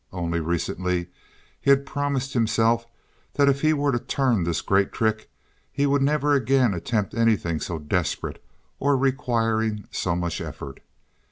Only recently he had promised himself that if he were to turn this great trick he would never again attempt anything so desperate or requiring so much effort.